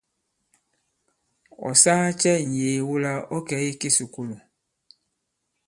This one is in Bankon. Ɔ̌ sāā cɛ ŋ̀yee wula ɔ̌ kɛ̀ i kisùkulù ?